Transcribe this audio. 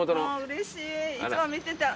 うれしいいつも見てた。